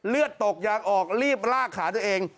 เลือดตกยางออกรีบลากขาตัวเอง